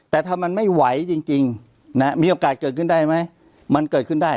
แต่ถ้ามันไม่ไหวจริงมีโอกาสเกิดขึ้นได้ไหมมันเกิดขึ้นได้